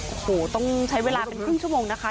โอ้โหต้องใช้เวลาเป็นครึ่งชั่วโมงนะคะ